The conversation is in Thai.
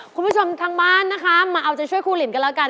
คุณผู้ชมทางบ้านนะคะมาเอาใจช่วยครูหลินกันแล้วกัน